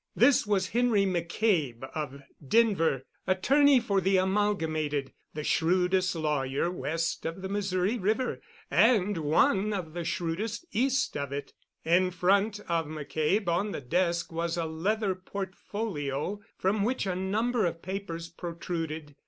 This was Henry McCabe of Denver—attorney for the Amalgamated—the shrewdest lawyer west of the Missouri River, and one of the shrewdest east of it. In front of McCabe on the desk was a leather portfolio from which a number of papers protruded.